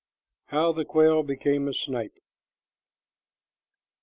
HOW THE QUAIL BECAME A SNIPE.